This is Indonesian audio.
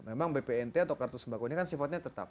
memang bpnt atau kartu sembako ini kan sifatnya tetap